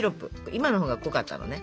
今のほうが濃かったのね。